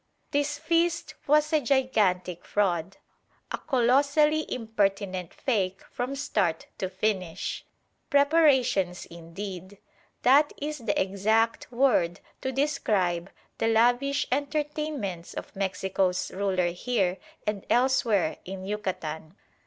This feast was a gigantic fraud, a colossally impertinent fake from start to finish. Preparations indeed! That is the exact word to describe the lavish entertainments of Mexico's ruler here and elsewhere in Yucatan.